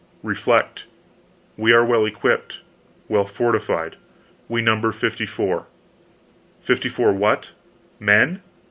Reflect: we are well equipped, well fortified, we number 54. Fifty four what? Men?